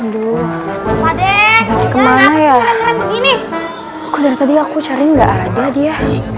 dulu kemarin kemarin begini aku cari enggak ada dia